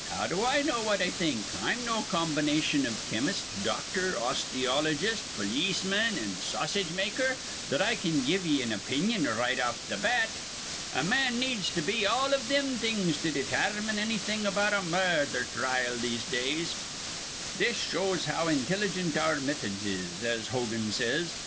"How do I know what I think? I'm no combination iv chemist, doctor, osteologist, polisman, an' sausage maker, that I can give ye an opinion right off th' bat. A man needs to be all iv thim things to detarmine annything about a murdher trile in these days. This shows how intilligent our methods is, as Hogan says.